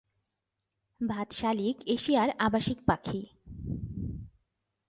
ভাত শালিক এশিয়ার আবাসিক পাখি।